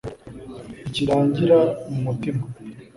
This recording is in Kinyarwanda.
ntikirangira mu mutima,